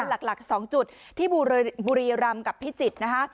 หลัก๒จุดที่บุรีรำกับพิจิตรนะคะ